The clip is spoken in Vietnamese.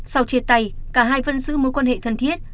sau chia tay cả hai vẫn giữ mối quan hệ thân thiết